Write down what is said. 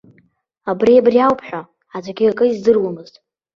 Абри-абри ауп ҳәа, аӡәгьы акы издыруамызт.